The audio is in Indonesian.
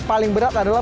paling berat adalah